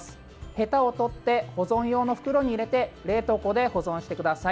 へたを取って保存用の袋に入れて冷凍庫で保存してください。